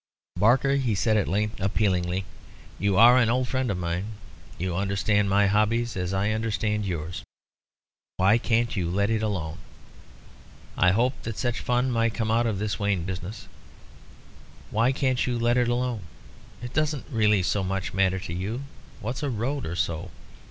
"Barker," he said at length, appealingly, "you are an old friend of mine you understand my hobbies as I understand yours. Why can't you let it alone? I hoped that such fun might come out of this Wayne business. Why can't you let it alone? It doesn't really so much matter to you what's a road or so?